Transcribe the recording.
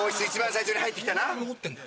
一番最初に入って来たな。